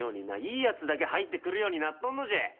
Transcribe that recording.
いやつだけ入って来るようになっとんのじゃ！